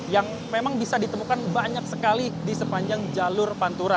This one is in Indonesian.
yang memang bisa ditemukan banyak sekali di sepanjang jalur pantura